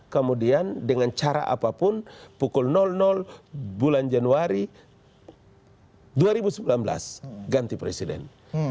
kemudian dengan cara apapun pukul bulan januari dua ribu sembilan belas ganti presiden